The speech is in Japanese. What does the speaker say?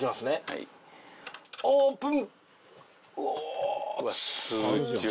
オープン。